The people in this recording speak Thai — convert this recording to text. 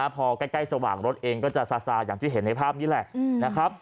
พอใกล้สว่างรถเองก็จะซาซาอย่างที่เห็นในภาพนี้แหละนะครับ